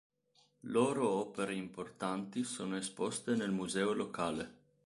Loro opere importanti sono esposte nel museo locale.